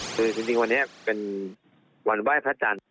คือจริงวันนี้เป็นวันไหว้พระจันทร์